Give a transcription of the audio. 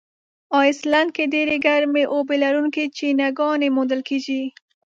آیسلنډ کې ډېرې ګرمي اوبه لرونکي چینهګانې موندل کیږي.